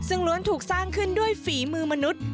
ซึ่งล้วนถูกสร้างขึ้นด้วยฝีมือมนุษย์